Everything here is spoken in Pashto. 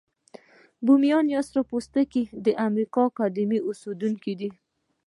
بومیان یا سره پوستکي د امریکا قديمي اوسیدونکي دي.